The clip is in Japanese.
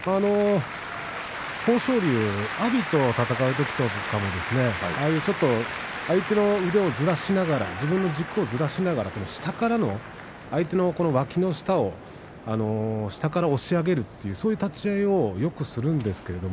豊昇龍、阿炎と戦うときとかも相手の腕をずらしながら自分の軸をずらしながら下から、相手のわきの下を下から押し上げるというようなそういう立ち合いをよくするんですけれど。